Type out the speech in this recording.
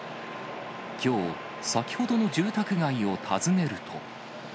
きょう、先ほどの住宅街を訪ねると。